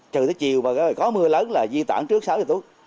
trừ tới chiều mà có mưa lớn là di tản trước sáu giờ tối